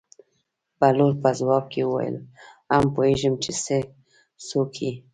بهلول په ځواب کې وویل: هو پوهېږم چې څوک یې.